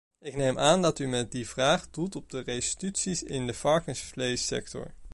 Ik neem aan dat u met die vraag doelt op restituties in de varkensvleessector.